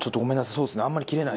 そうですね。